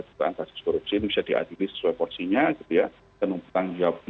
dugaan kasus korupsi ini bisa diadili sesuai porsinya gitu ya